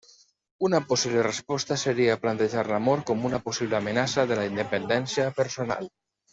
Una possible resposta seria plantejar l'amor com una possible amenaça de la independència personal.